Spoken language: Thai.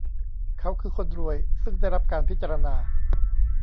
เขาคือคนรวยซึ่งได้รับการพิจารณา